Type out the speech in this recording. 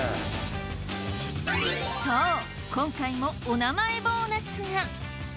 そう今回もお名前ボーナスが。